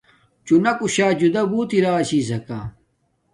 چُنݳکُشݳ جُدݳ بݸت اِرݳ چھݵسَکݳ.